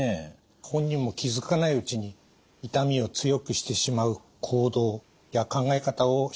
本人も気付かないうちに痛みを強くしてしまう行動や考え方をしていることもあります。